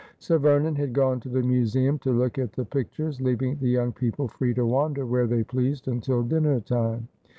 Sir Vernon had gone to the museum to look at the pictures, leaving the young people free to wander where they pleased until dinner time.